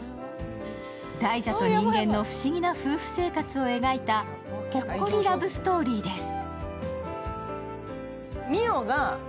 大蛇と人間の不思議な夫婦生活を描いたほっこりラブストーリーです。